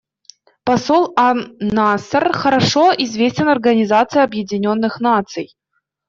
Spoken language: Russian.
Посол ан-Насер хорошо известен в Организации Объединенных Наций.